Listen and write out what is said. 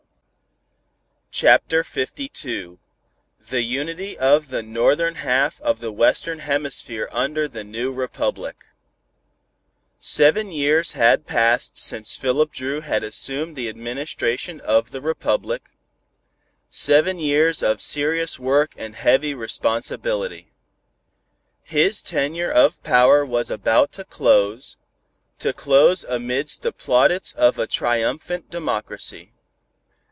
CHAPTER LII THE UNITY OF THE NORTHERN HALF OF THE WESTERN HEMISPHERE UNDER THE NEW REPUBLIC Seven years had passed since Philip Dru had assumed the administration of the Republic. Seven years of serious work and heavy responsibility. His tenure of power was about to close, to close amidst the plaudits of a triumphant democracy.